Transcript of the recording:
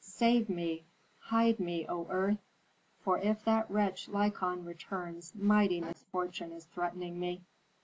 "Save me! Hide me, O earth! for if that wretch Lykon returns mighty misfortune is threatening me."